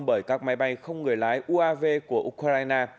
bởi các máy bay không người lái uav của ukraine